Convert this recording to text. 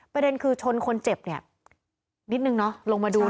ประเด็นคือชนคนเจ็บเนี่ยนิดนึงเนาะลงมาดู